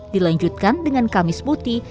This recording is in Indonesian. dilanjutkan dengan kamis putih